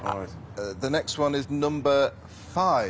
はい。